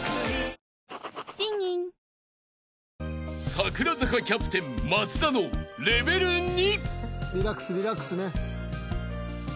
［櫻坂キャプテン松田のレベル２］